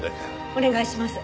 お願いします。